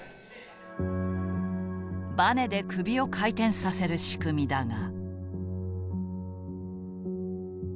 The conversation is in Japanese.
バネで首を回転させる仕組みだが。